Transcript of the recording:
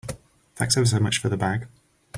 Thanks ever so much for the bag.